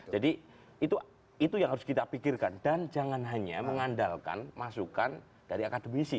jadi itu yang harus kita pikirkan dan jangan hanya mengandalkan masukan dari akademisi